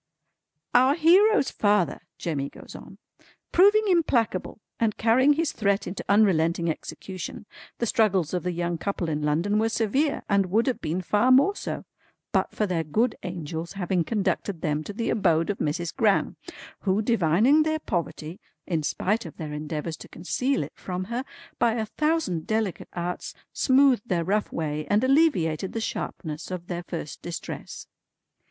"Our hero's father" Jemmy goes on "proving implacable and carrying his threat into unrelenting execution, the struggles of the young couple in London were severe, and would have been far more so, but for their good angel's having conducted them to the abode of Mrs. Gran; who, divining their poverty (in spite of their endeavours to conceal it from her), by a thousand delicate arts smoothed their rough way, and alleviated the sharpness of their first distress."